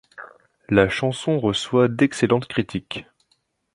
La chanson reçoit d'excellentes critiques.